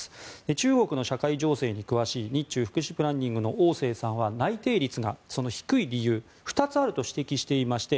中国の社会情勢に詳しい日中福祉プランニングのオウ・セイさんは内定率が低い理由は２つあると指摘していまして